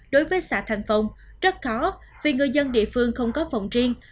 đối với xã thành phong rất khó vì người dân địa phương không có phòng riêng